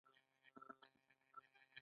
دوی باید توکي له پور ورکوونکي هېواد څخه واخلي